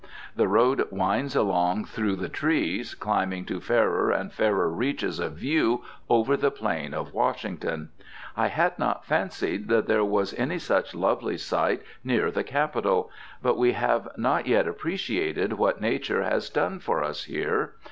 The road winds along through the trees, climbing to fairer and fairer reaches of view over the plain of Washington. I had not fancied that there was any such lovely site near the capital. But we have not yet appreciated what Nature has done for us there.